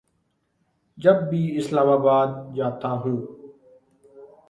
جب بھی اسلام آباد جاتا ہوں